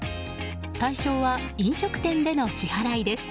対象は飲食店での支払いです。